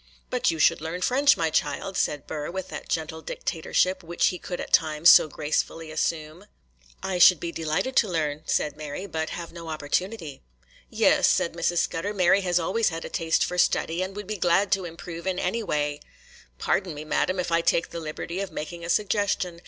'But you should learn French, my child,' said Burr, with that gentle dictatorship which he could at times so gracefully assume. 'I should be delighted to learn,' said Mary, 'but have no opportunity.' 'Yes,' said Mrs. Scudder, 'Mary has always had a taste for study, and would be glad to improve in any way.' 'Pardon me, madam, if I take the liberty of making a suggestion.